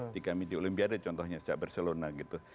di kami di olimpiade contohnya sejak barcelona gitu